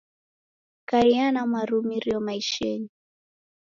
Kaiya na marumirio maishenyi.